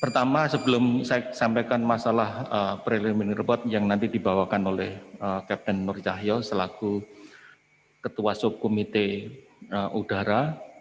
pertama sebelum saya sampaikan masalah preliminary report yang nanti dibawakan oleh ketua komite udara